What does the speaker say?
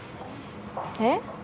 えっ？